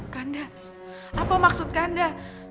kanda apa maksud kanda